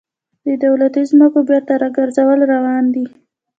د دولتي ځمکو بیرته راګرځول روان دي